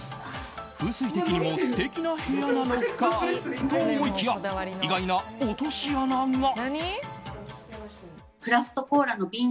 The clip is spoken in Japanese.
風水的にも素敵な部屋なのかと思いきや意外な落とし穴が。